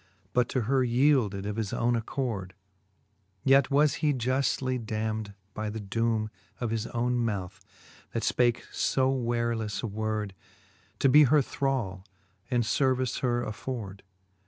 But to her yeelded of his owne accord ; Yet was he juftly damned by the doome Of his owne mouth, that fpake fo warelefTe word, To be her thrall, and fervice her afford.